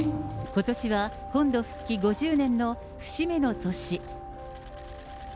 ことしは本土復帰５０年の節目の年。